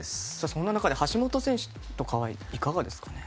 そんな中で橋本選手はいかがですかね。